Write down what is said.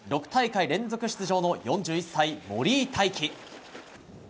６大会連続出場の４１歳森井大輝。